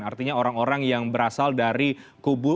artinya orang orang yang berasal dari kubu